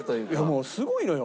もうすごいのよ。